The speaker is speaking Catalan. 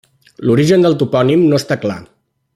L'origen del topònim no està clar.